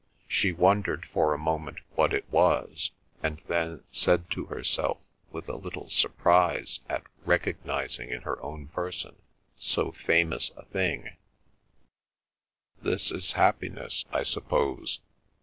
She wondered for a moment what it was, and then said to herself, with a little surprise at recognising in her own person so famous a thing: "This is happiness, I suppose."